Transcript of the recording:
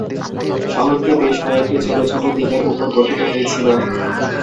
শহরটি বেশ কয়েকটি ছোট ছোট দ্বীপের উপর গঠিত হয়েছিল।